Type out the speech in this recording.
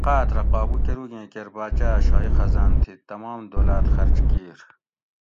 قحط رہ قابو کۤروگیں کیر باچاۤ شاہی خزان تھی تمام دولت خرچ کیر